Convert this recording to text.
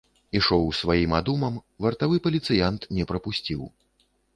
Ішоў сваім адумам, вартавы паліцыянт не прапусціў.